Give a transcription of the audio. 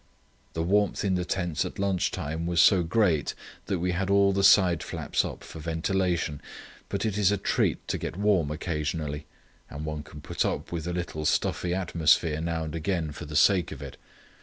"The warmth in the tents at lunch time was so great that we had all the side flaps up for ventilation, but it is a treat to get warm occasionally, and one can put up with a little stuffy atmosphere now and again for the sake of it.